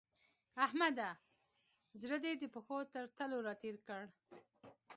احمده! زړه دې د پښو تر تلو راتېر کړ.